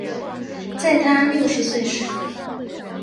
在她六十岁时